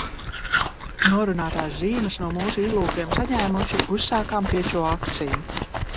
Norunātās zīmes no mūsu izlūkiem saņēmuši, uzsākām tiešo akciju.